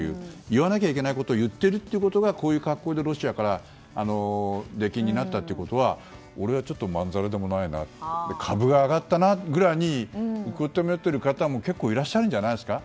言わなければいけないことを言っているのがこういう格好でロシアから出禁になったことはまんざらでもないなと株が上がったなというぐらいに受け止めている方も結構いらっしゃるんじゃないですか。